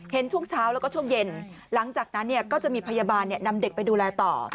ช่วงเช้าแล้วก็ช่วงเย็นหลังจากนั้นก็จะมีพยาบาลนำเด็กไปดูแลต่อ